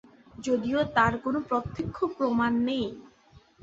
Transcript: যদিও তার কোন প্রত্যক্ষ প্রমাণ নেই।